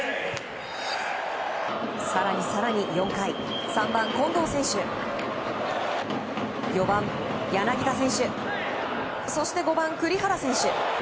更に更に、４回３番、近藤選手４番、柳田選手そして５番、栗原選手。